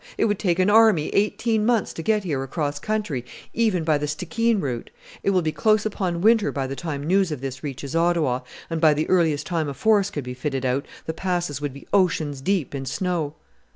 It would take an army eighteen months to get here across country, even by the Stikeen route; it will be close upon winter by the time news of this reaches Ottawa, and by the earliest time a force could be fitted out the Passes would be oceans deep in snow."